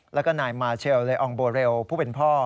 แล้วก็นายมาเชลเลองโบเรลผู้เป็นพ่อ